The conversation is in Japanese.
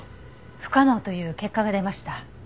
不可能という結果が出ました。